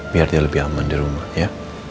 biar dia lebih aman di rumah ya